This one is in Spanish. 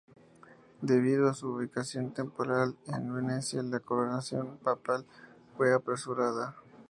Debido a su ubicación temporal en Venecia, la coronación papal fue apresurada.